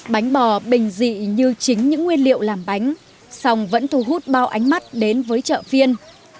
bánh bò bình dị như chính những nguyên liệu làm bánh song vẫn thu hút bao ánh mắt đến với chợ phiên